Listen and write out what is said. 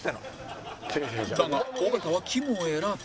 だが尾形はきむを選び